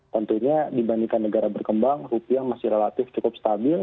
tentunya dibandingkan negara berkembang rupiah masih relatif cukup stabil